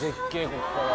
ここから。